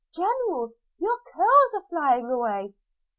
General! your curls are flying away!